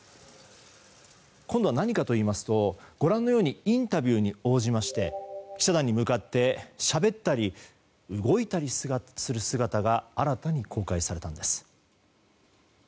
今度は何かといいますとインタビューに応じまして記者団に向かってしゃべったり、動いたりする姿が新たに公開されたのです。